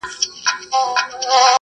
که قاضي وي نو فیصله نه ځنډیږي.